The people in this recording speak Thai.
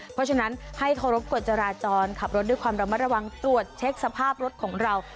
เพราะฉะนั้นให้เคารพกฎจราจรขับรถด้วยความระมัดระวังตรวจเช็คสภาพรถของเรา